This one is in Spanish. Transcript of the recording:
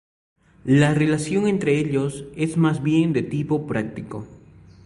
La relación entre ellos es más bien de tipo práctico.